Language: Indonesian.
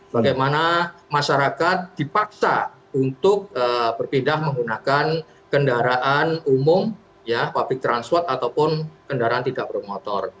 bagaimana masyarakat dipaksa untuk berpindah menggunakan kendaraan umum ya public transport ataupun kendaraan tidak bermotor